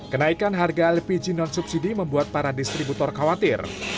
kenaikan harga lpg non subsidi membuat para distributor khawatir